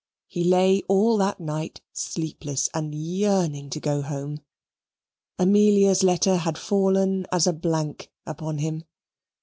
He lay all that night sleepless, and yearning to go home. Amelia's letter had fallen as a blank upon him.